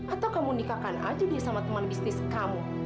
atau kamu nikahkan aja dia sama teman bisnis kamu